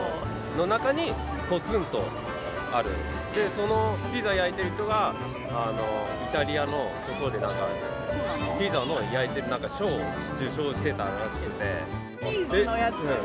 そのピザ焼いている人がイタリアのところでピザの焼いている賞を受賞していたらしいので。